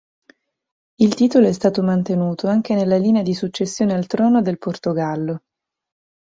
Il titolo è stato mantenuto anche nella linea di successione al trono del Portogallo.